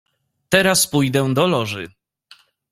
"Teraz pójdę do Loży."